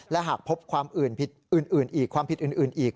และหากพบความผิดอื่นอีก